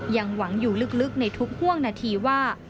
ยังหวังอยู่ลึกในทุกห่วงนาทีว่า